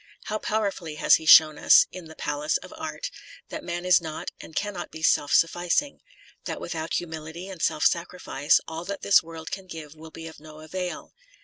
How powerfully has he shown us in the " Palace of Art " that man is not and cannot be self sufficing : that without humility and self sacrifice all that this world can give will be of no avail.